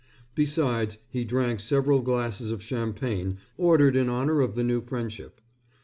Besides, he drank several glasses of champagne, ordered in honor of the new friendship.